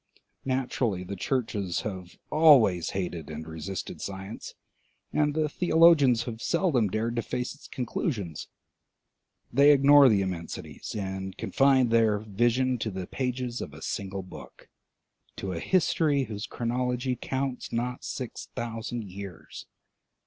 Naturally the churches have always hated and resisted science, and the theologians have seldom dared to face its conclusions. They ignore the immensities, and confine their vision to the pages of a single book, to a history whose chronology counts not six thousand years.